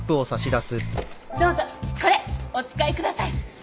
どうぞこれお使いください。